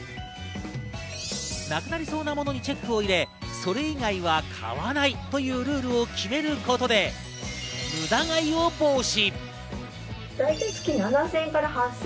なくなりそうなものにチェックを入れ、それ以外は買わないというルールを決めることで無駄買いを防止。